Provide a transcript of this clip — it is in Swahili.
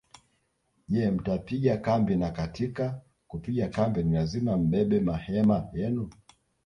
Je mtapiga kambi na katika kupiga kambi ni lazima mbebe mahema yenu